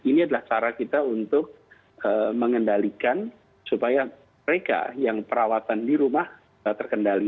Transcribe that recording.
ini adalah cara kita untuk mengendalikan supaya mereka yang perawatan di rumah terkendali